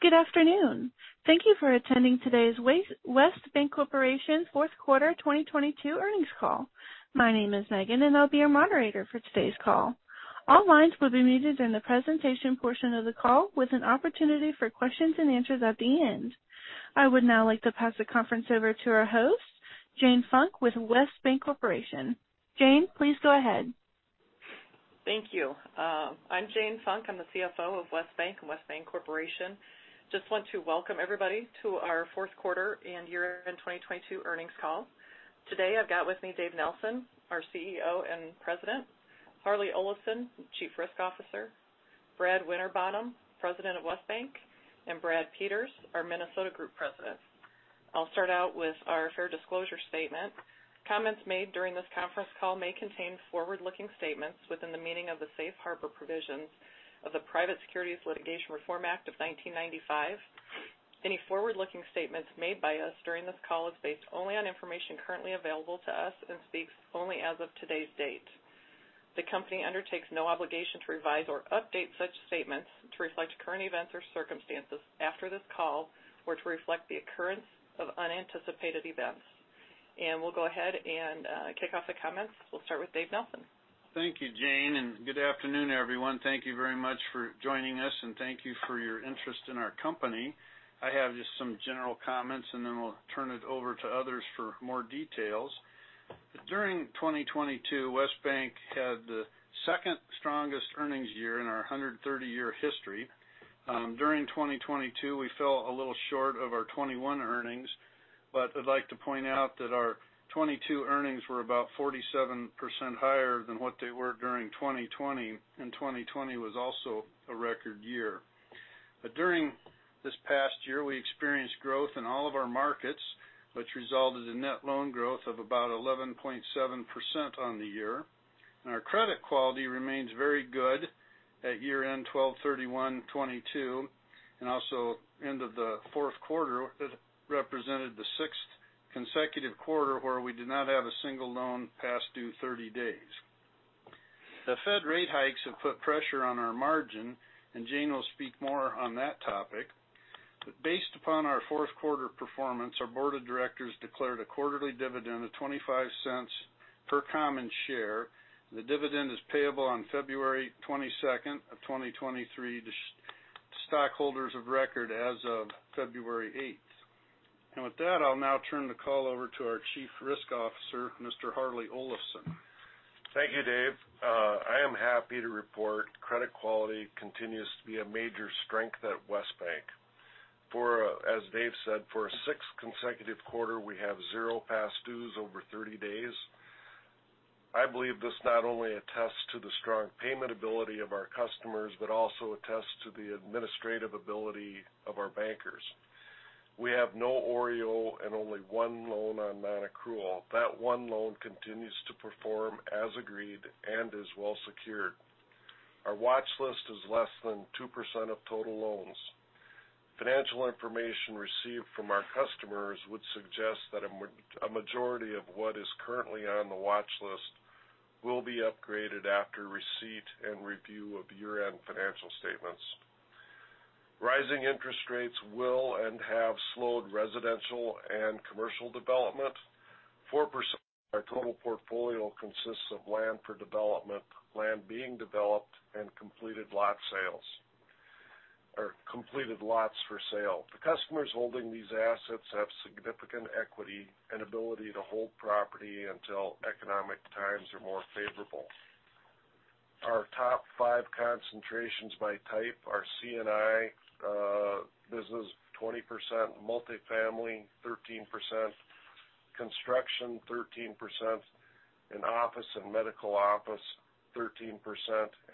Good afternoon. Thank you for attending today's West Bancorporation Fourth quarter 2022 earnings call. My name is Megan. I'll be your moderator for today's call. All lines will be muted during the presentation portion of the call with an opportunity for questions and answers at the end. I would now like to pass the conference over to our host, Jane Funk with West Bancorporation. Jane, please go ahead. Thank you. I'm Jane Funk. I'm the CFO of West Bank and West Bancorporation. Just want to welcome everybody to our fourth quarter and year-end 2022 earnings call. Today, I've got with me David Nelson, our CEO and President. Harlee Olafson, Chief Risk Officer. Brad Winterbottom, President of West Bank. And Brad Peters, our Minnesota Group President. I'll start out with our fair disclosure statement. Comments made during this conference call may contain forward-looking statements within the meaning of the Safe Harbor provisions of the Private Securities Litigation Reform Act of 1995. Any forward-looking statements made by us during this call is based only on information currently available to us and speaks only as of today's date. The company undertakes no obligation to revise or update such statements to reflect current events or circumstances after this call or to reflect the occurrence of unanticipated events. We'll go ahead and kick off the comments. We'll start with Dave Nelson. Thank you, Jane. Good afternoon, everyone. Thank you very much for joining us. Thank you for your interest in our company. I have just some general comments. Then we'll turn it over to others for more details. During 2022, West Bank had the second strongest earnings year in our 130-year history. During 2022, we fell a little short of our 2021 earnings. I'd like to point out that our 2022 earnings were about 47% higher than what they were during 2020. 2020 was also a record year. During this past year, we experienced growth in all of our markets, which resulted in net loan growth of about 11.7% on the year. Our credit quality remains very good at year-end 12/31/2022, and also end of the fourth quarter, it represented the sixth consecutive quarter where we did not have a single loan past due 30 days. The Fed rate hikes have put pressure on our margin, and Jane will speak more on that topic. Based upon our fourth quarter performance, our board of directors declared a quarterly dividend of $0.25 per common share. The dividend is payable on February 22, 2023 to stockholders of record as of February 8th. With that, I'll now turn the call over to our Chief Risk Officer, Mr. Harlee Olafson. Thank you, Dave. I am happy to report credit quality continues to be a major strength at West Bank. As Dave said, for a sixth consecutive quarter, we have zero past dues over 30 days. I believe this not only attests to the strong payment ability of our customers, but also attests to the administrative ability of our bankers. We have no OREO and only one loan on non-accrual. That one loan continues to perform as agreed and is well secured. Our watch list is less than 2% of total loans. Financial information received from our customers would suggest that a majority of what is currently on the watch list will be upgraded after receipt and review of year-end financial statements. Rising interest rates will and have slowed residential and commercial development. 4% of our total portfolio consists of land for development, land being developed, and completed lot sales, or completed lots for sale. The customers holding these assets have significant equity and ability to hold property until economic times are more favorable. Our top five concentrations by type are C&I, business, 20%, multifamily, 13%, construction, 13%, and office and medical office, 13%,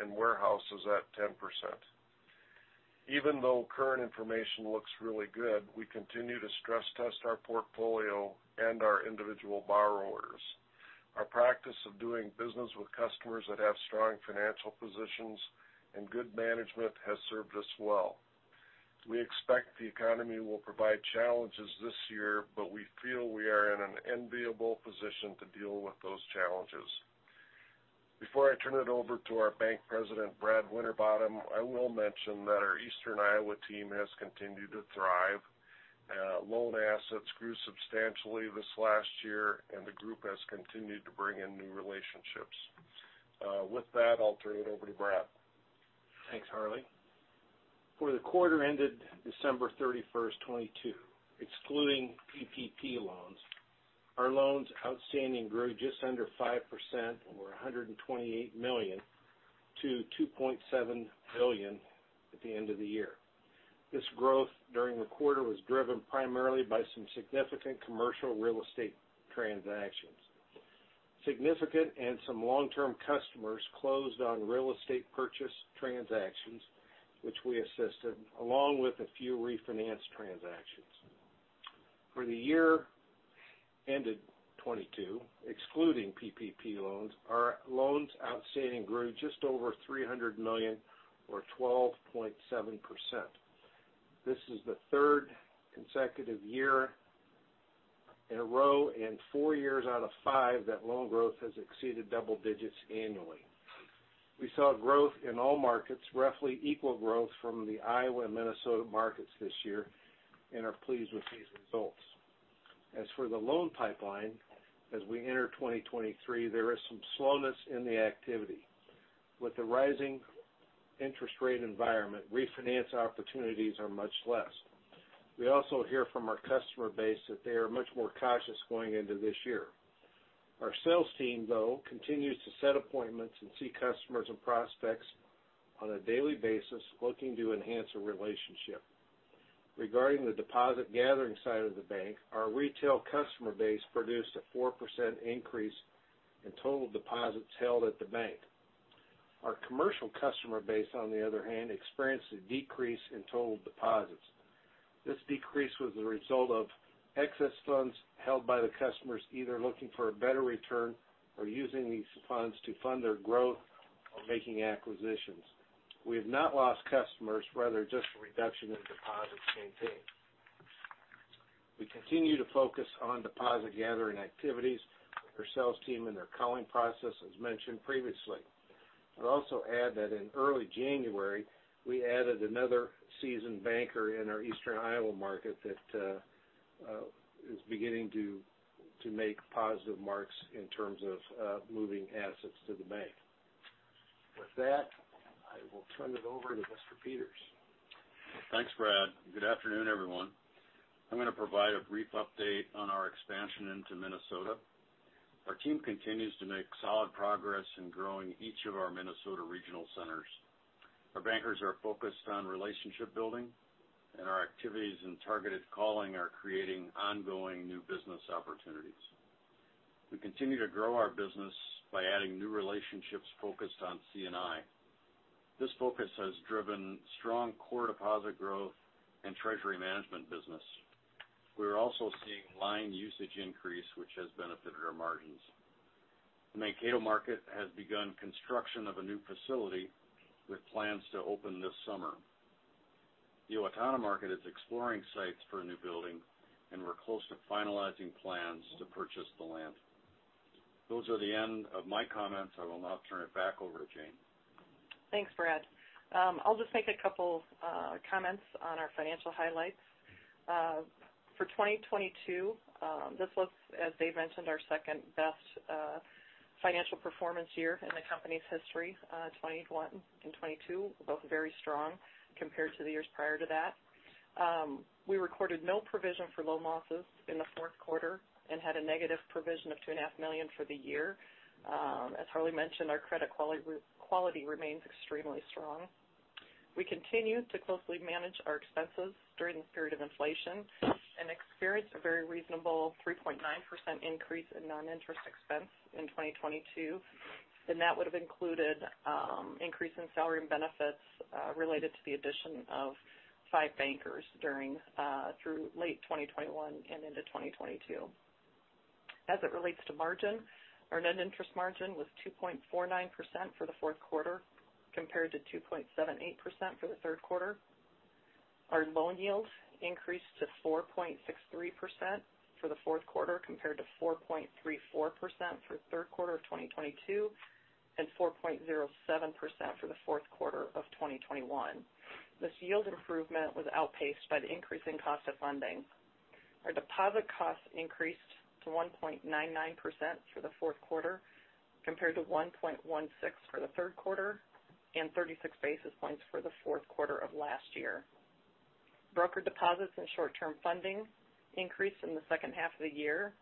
and warehouse is at 10%. Even though current information looks really good, we continue to stress test our portfolio and our individual borrowers. Our practice of doing business with customers that have strong financial positions and good management has served us well. We expect the economy will provide challenges this year, we feel we are in an enviable position to deal with those challenges. Before I turn it over to our Bank President, Brad Winterbottom, I will mention that our Eastern Iowa team has continued to thrive. loan assets grew substantially this last year, and the group has continued to bring in new relationships. with that, I'll turn it over to Brad. Thanks, Harlee. For the quarter ended December 31st, 2022, excluding PPP loans, our loans outstanding grew just under 5% or $128 million to $2.7 billion at the end of the year. This growth during the quarter was driven primarily by some significant commercial real estate transactions. Significant and some long-term customers closed on real estate purchase transactions, which we assisted, along with a few refinance transactions. For the year ended 2022, excluding PPP loans, our loans outstanding grew just over $300 million or 12.7%. This is the third consecutive year in a row and four years out of five, that loan growth has exceeded double digits annually. We saw growth in all markets, roughly equal growth from the Iowa and Minnesota markets this year and are pleased with these results. As for the loan pipeline, as we enter 2023, there is some slowness in the activity. With the rising interest rate environment, refinance opportunities are much less. We also hear from our customer base that they are much more cautious going into this year. Our sales team, though, continues to set appointments and see customers and prospects on a daily basis looking to enhance a relationship. Regarding the deposit gathering side of the bank, our retail customer base produced a 4% increase in total deposits held at the bank. Our commercial customer base, on the other hand, experienced a decrease in total deposits. This decrease was the result of excess funds held by the customers either looking for a better return or using these funds to fund their growth or making acquisitions. We have not lost customers, rather just a reduction in deposits maintained. We continue to focus on deposit gathering activities with our sales team and their calling process, as mentioned previously. I'd also add that in early January, we added another seasoned banker in our eastern Iowa market that is beginning to make positive marks in terms of moving assets to the bank. With that, I will turn it over to Mr. Peters. Thanks, Brad. Good afternoon, everyone. I'm gonna provide a brief update on our expansion into Minnesota. Our team continues to make solid progress in growing each of our Minnesota regional centers. Our bankers are focused on relationship building, and our activities and targeted calling are creating ongoing new business opportunities. We continue to grow our business by adding new relationships focused on C&I. This focus has driven strong core deposit growth and Treasury Management business. We're also seeing line usage increase, which has benefited our margins. The Mankato market has begun construction of a new facility with plans to open this summer. The Owatonna market is exploring sites for a new building, and we're close to finalizing plans to purchase the land. Those are the end of my comments. I will now turn it back over to Jane. Thanks, Brad. I'll just make a couple comments on our financial highlights. For 2022, this was, as Dave Nelson mentioned, our second best financial performance year in the company's history. 2021 and 2022 were both very strong compared to the years prior to that. We recorded no provision for loan losses in the fourth quarter and had a negative provision of $2.5 million for the year. As Harlee Olafson mentioned, our credit quality remains extremely strong. We continue to closely manage our expenses during this period of inflation and experienced a very reasonable 3.9% increase in non-interest expense in 2022, and that would have included increase in salary and benefits related to the addition of five bankers during through late 2021 and into 2022. As it relates to margin, our Net Interest Margin was 2.49% for the fourth quarter, compared to 2.78% for the third quarter. Our loan yields increased to 4.63% for the fourth quarter, compared to 4.34% for the third quarter of 2022, and 4.07% for the fourth quarter of 2021. This yield improvement was outpaced by the increase in cost of funding. Our deposit costs increased to 1.99% for the fourth quarter, compared to 1.16% for the third quarter, and 36 basis points for the fourth quarter of last year. Broker deposits and short-term funding increased in the second half of the year.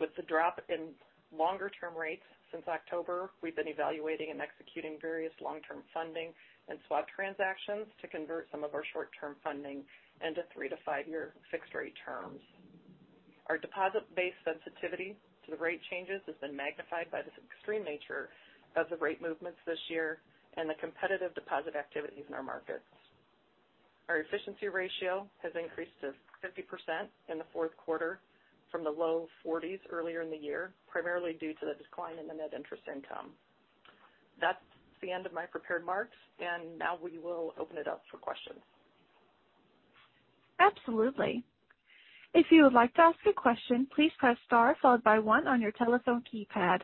With the drop in longer term rates since October, we've been evaluating and executing various long-term funding and swap transactions to convert some of our short-term funding into three to five year fixed rate terms. Our deposit-based sensitivity to the rate changes has been magnified by the extreme nature of the rate movements this year and the competitive deposit activities in our markets. Our Efficiency Ratio has increased to 50% in the fourth quarter from the low 40s earlier in the year, primarily due to the decline in the net interest income. That's the end of my prepared remarks. Now we will open it up for questions. Absolutely. If you would like to ask a question, please press star followed by one on your telephone keypad.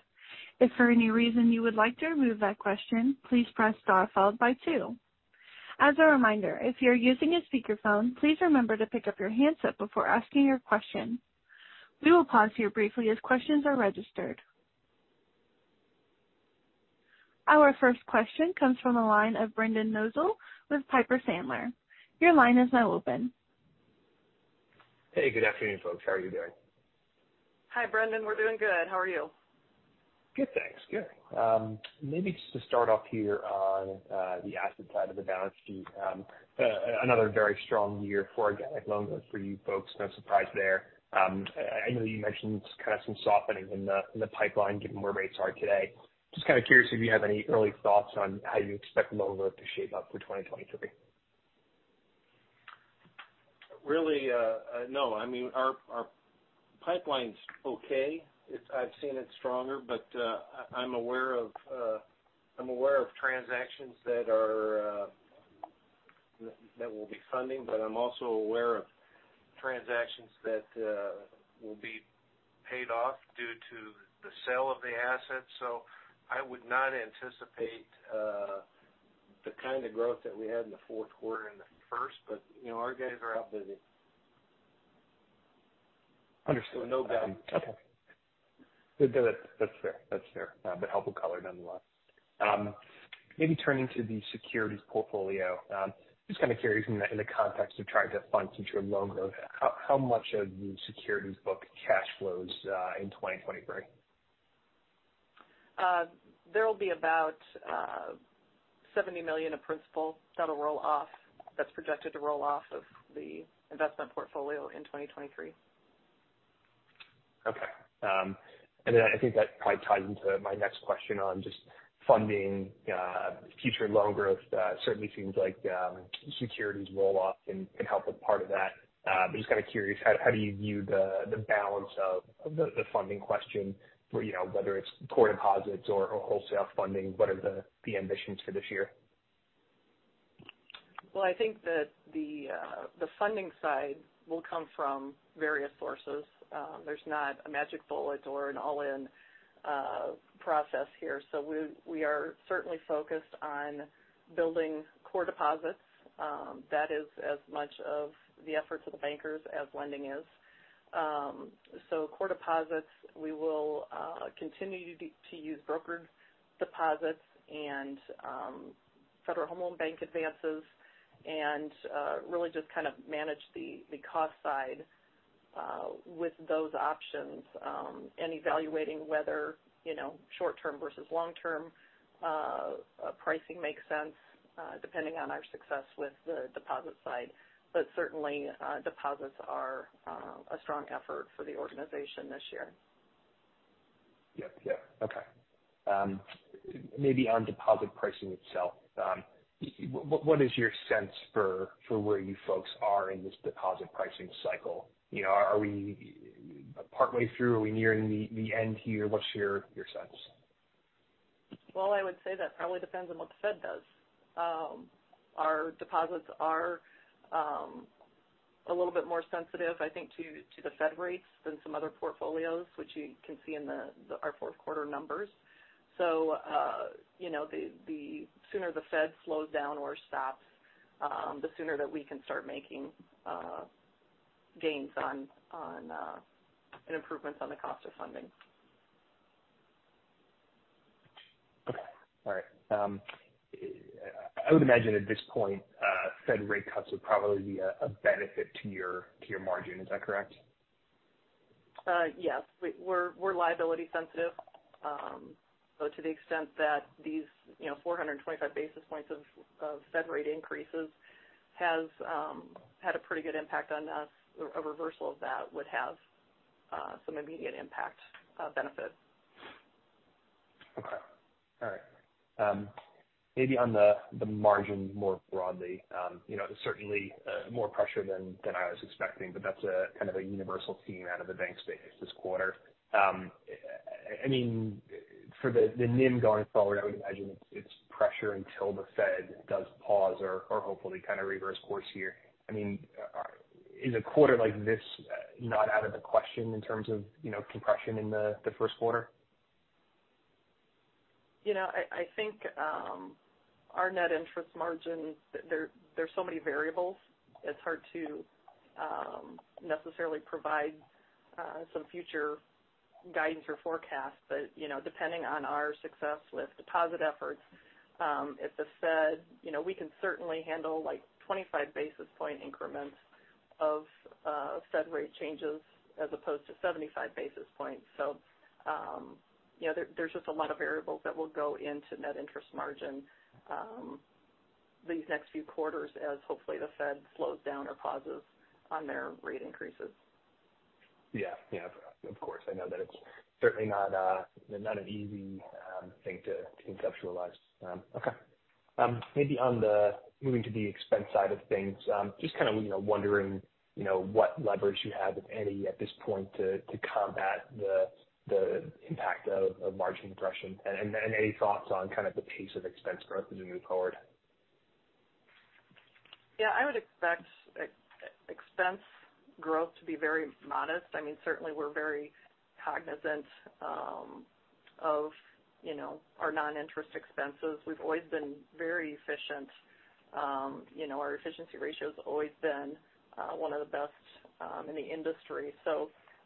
If for any reason you would like to remove that question, please press star followed by two. As a reminder, if you're using a speakerphone, please remember to pick up your handset before asking your question. We will pause here briefly as questions are registered. Our first question comes from the line of Brendan Nosal with Piper Sandler. Your line is now open. Hey, good afternoon, folks. How are you doing? Hi, Brendan. We're doing good. How are you? Good, thanks. Good. Maybe just to start off here on the asset side of the balance sheet. Another very strong year for organic loan growth for you folks. No surprise there. I know you mentioned kind of some softening in the, in the pipeline given where rates are today. Just kind of curious if you have any early thoughts on how you expect loan growth to shape up for 2023. Really, no. I mean, our pipeline's okay. I've seen it stronger, but, I'm aware of transactions that are That will be funding, but I'm also aware of transactions that will be paid off due to the sale of the assets. I would not anticipate the kind of growth that we had in the fourth quarter and the first, but, our guys are out busy. Understood. No guidance. Okay. That's fair. That's fair. Helpful color nonetheless. Maybe turning to the securities portfolio, just kind of curious in the context of trying to fund future loan growth, how much of the securities book cash flows in 2023? There will be about $70 million of principal that'll roll off, that's projected to roll off of the investment portfolio in 2023. Okay. I think that probably ties into my next question on just funding future loan growth. Certainly seems like securities roll-off can help with part of that. Just kind of curious, how do you view the balance of the funding question for whether it's core deposits or wholesale funding, what are the ambitions for this year? Well, I think that the funding side will come from various sources. There's not a magic bullet or an all-in process here. We are certainly focused on building core deposits. That is as much of the effort to the bankers as lending is. Core deposits, we will continue to use brokered deposits and Federal Home Loan Banks advances and really just kind of manage the cost side with those options and evaluating whether short term versus long term pricing makes sense depending on our success with the deposit side. Certainly, deposits are a strong effort for the organization this year. Yeah. Okay. Maybe on deposit pricing itself, what is your sense for where you folks are in this deposit pricing cycle? Are we partway through? Are we nearing the end here? What's your sense? Well, I would say that probably depends on what the Fed does. Our deposits are a little bit more sensitive, I think, to the Fed rates than some other portfolios, which you can see in our fourth quarter numbers. The sooner the Fed slows down or stops, the sooner that we can start making gains on and improvements on the cost of funding. Okay. All right. I would imagine at this point, Fed rate cuts would probably be a benefit to your margin. Is that correct? Yes. We're liability sensitive. To the extent that these 425 basis points of Fed rate increases has had a pretty good impact on us, a reversal of that would have some immediate impact benefit. Okay. All right. Maybe on the margin more broadly, there's certainly more pressure than I was expecting, but that's a kind of a universal theme out of the bank space this quarter. I mean, for the NIM going forward, I would imagine it's pressure until the Fed does pause or hopefully kind of reverse course here. I mean, is a quarter like this not out of the question in terms of, compression in the first quarter? I think, our net interest margin, there's so many variables, it's hard to necessarily provide some future guidance or forecast, depending on our success with deposit efforts, if the Fed we can certainly handle like 25 basis point increments of Fed rate changes as opposed to 75 basis points. there's just a lot of variables that will go into net interest margin these next few quarters as hopefully the Fed slows down or pauses on their rate increases. Yeah, of course, I know that it's certainly not a, not an easy thing to conceptualize. Okay. Maybe moving to the expense side of things, just kind of wondering what leverage you have, if any, at this point to combat the impact of margin compression and any thoughts on kind of the pace of expense growth as we move forward. Yeah, I would expect expense growth to be very modest. I mean, certainly we're very cognizant of our non-interest expenses. We've always been very efficient. Our Efficiency Ratio's always been one of the best in the industry.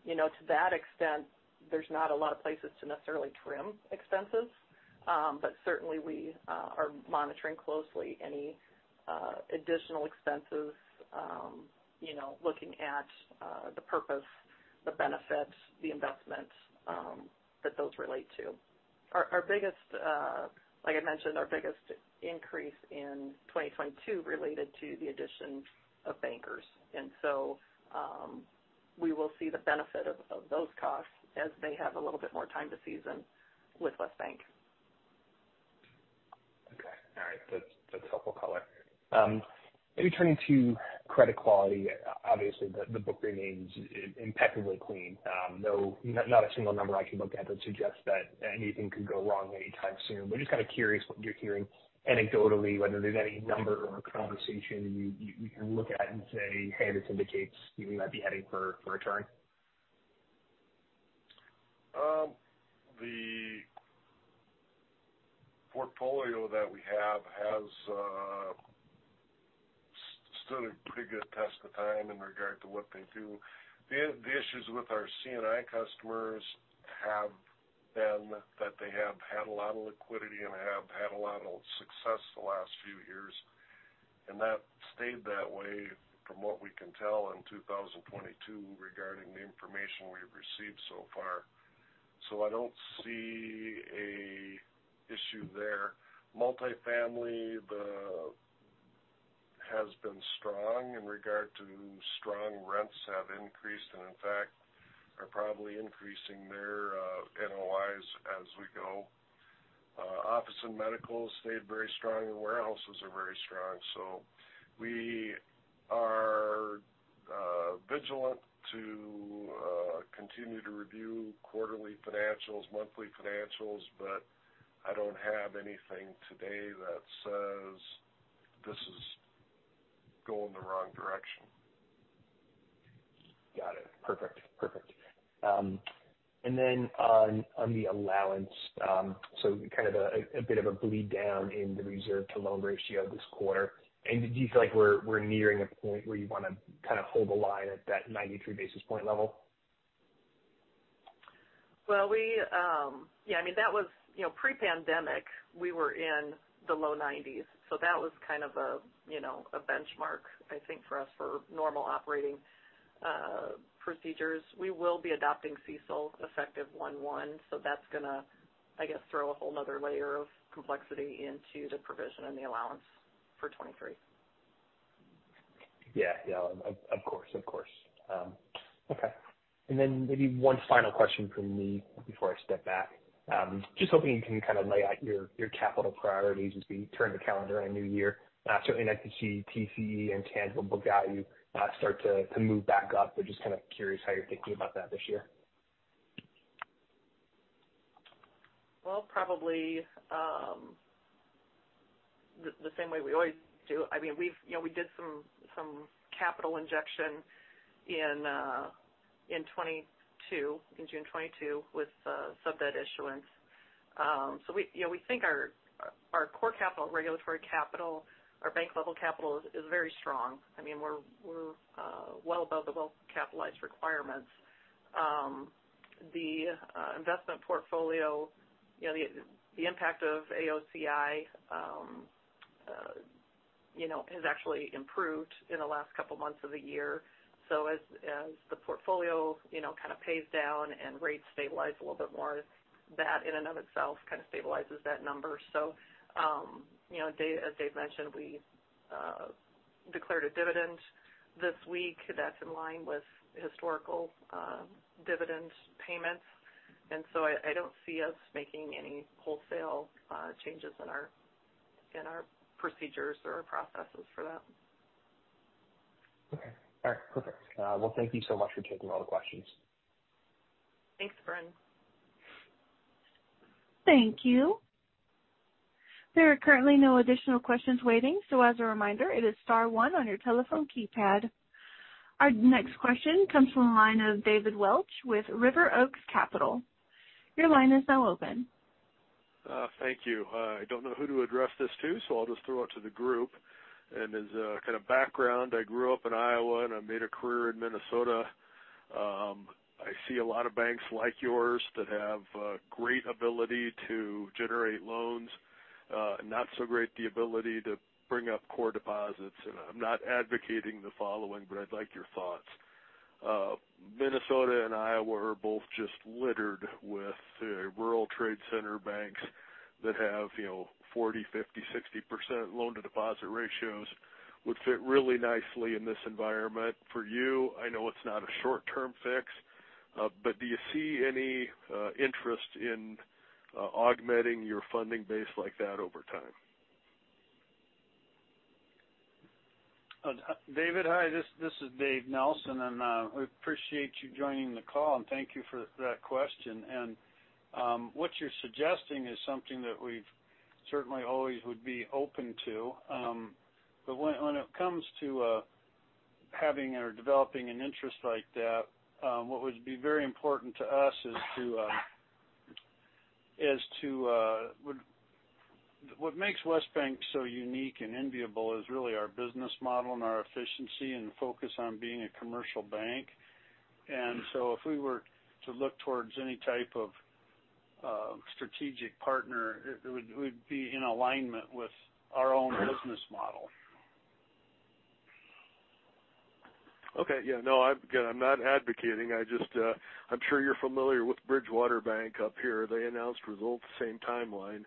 You know to that extent, there's not a lot of places to necessarily trim expenses. But certainly we are monitoring closely any additional expenses, looking at the purpose, the benefits, the investments, that those relate to. Our biggest, like I mentioned, our biggest increase in 2022 related to the addition of bankers. we will see the benefit of those costs as they have a little bit more time to season with West Bank. Okay. All right. That's helpful color. Maybe turning to credit quality. Obviously, the book remains impeccably clean. Not a single number I can look at that suggests that anything could go wrong anytime soon. We're just kind of curious what you're hearing anecdotally, whether there's any number or conversation you can look at and say, "Hey, this indicates we might be heading for a turn. The portfolio that we have has stood a pretty good test of time in regard to what they do. The issues with our C&I customers have been that they have had a lot of liquidity and have had a lot of success the last few years. And that stayed that way from what we can tell in 2022 regarding the information we've received so far. I don't see a issue there. Multifamily has been strong in regard to strong rents have increased and in fact are probably increasing their NOI as we go. Office and medical stayed very strong, and warehouses are very strong. We are vigilant to continue to review quarterly financials, monthly financials, but I don't have anything today that says this is going the wrong direction. Got it. Perfect. Then on the allowance, so kind of a bit of a bleed down in the reserve to loan ratio this quarter. Do you feel like we're nearing a point where you wanna kinda hold the line at that 93 basis point level? Well, we, Yeah, I mean, that was pre-pandemic, we were in the low 90s, that was kind of a benchmark, I think, for us for normal operating procedures. We will be adopting CECL effective 1/1, that's gonna, I guess, throw a whole another layer of complexity into the provision and the allowance for 2023. Yeah. Of course. Of course. Okay. Maybe one final question from me before I step back. Just hoping you can kind of lay out your capital priorities as we turn the calendar on a new year. Certainly I can see TCE and tangible value start to move back up. We're just kind of curious how you're thinking about that this year. Well, probably, the same way we always do. I mean, we did some capital injection in 2022, in June 2022 with subordinated debt issuance. We think our core capital, regulatory capital, our bank level capital is very strong. I mean, we're well above the well-capitalized requirements. The investment portfolio, the impact of AOCI has actually improved in the last couple months of the year. As the portfolio kind of pays down and rates stabilize a little bit more, that in and of itself kind of stabilizes that number. As Dave mentioned, we declared a dividend this week that's in line with historical dividend payments. I don't see us making any wholesale changes in our, in our procedures or our processes for that. Okay. All right. Perfect. Well, thank you so much for taking all the questions. Thanks, Brendan. Thank you. There are currently no additional questions waiting, so as a reminder, it is star one on your telephone keypad. Our next question comes from the line of David Welch with River Oaks Capital. Your line is now open. Thank you. I don't know who to address this to, so I'll just throw it to the group. As a kind of background, I grew up in Iowa, and I made a career in Minnesota. I see a lot of banks like yours that have great ability to generate loans, not so great the ability to bring up core deposits. I'm not advocating the following, but I'd like your thoughts. Minnesota and Iowa are both just littered with rural trade center banks that have 40%, 50%, 60% loan to deposit ratios would fit really nicely in this environment. For you, I know it's not a short-term fix, but do you see any interest in augmenting your funding base like that over time? David, hi, this is David Nelson. We appreciate you joining the call, and thank you for that question. What you're suggesting is something that we've certainly always would be open to. When it comes to having or developing an interest like that, what would be very important to us is to. What makes West Bank so unique and enviable is really our business model and our efficiency and focus on being a commercial bank. If we were to look towards any type of strategic partner, it would be in alignment with our own business model. Okay. Yeah, no, I'm, again, I'm not advocating. I just, I'm sure you're familiar with Bridgewater Bank up here. They announced results same timeline.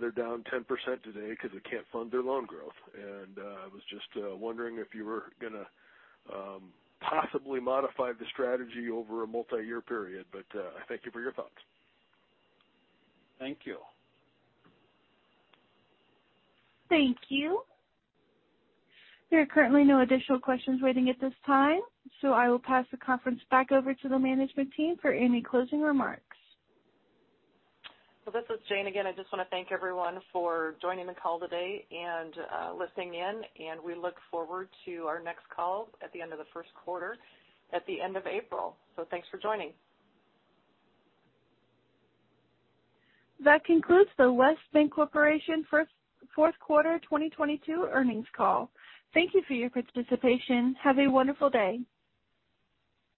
They're down 10% today because they can't fund their loan growth. I was just wondering if you were gonna possibly modify the strategy over a multiyear period. I thank you for your thoughts. Thank you. Thank you. There are currently no additional questions waiting at this time. I will pass the conference back over to the management team for any closing remarks. This is Jane again. I just wanna thank everyone for joining the call today and listening in, and we look forward to our next call at the end of the first quarter at the end of April. Thanks for joining. That concludes the West Bancorporation Fourth Quarter 2022 earnings call. Thank you for your participation. Have a wonderful day.